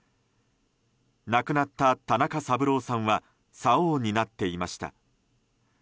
亡くなった田中三郎さんはさおを担っていました。